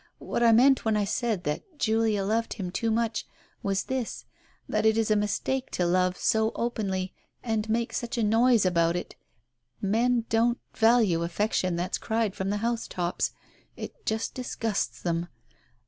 What I meant when I said that Julia loved him too much, was this, that it is a mistake to love so openly and make such a noise about it. Men don't value affection that's cried from the house tops. It just disgusts them.